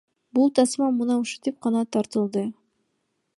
Бул тасма мына ушинтип гана тартылды.